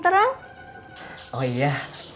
terang oh iya